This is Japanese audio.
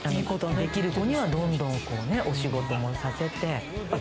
できる子にはどんどんお仕事もさせて。